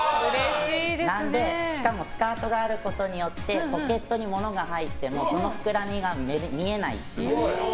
なのでスカートがあることによってポケットに物が入ってもそのふくらみが見えないっていう。